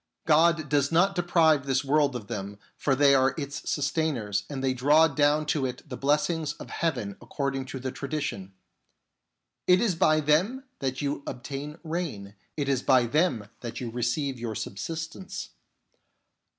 God does not deprive this world of them, for they are its sustainers, and they draw down to it the blessings of heaven according to the tradition :" It is by them that you obtain rain, it is by them that you receive your subsistence."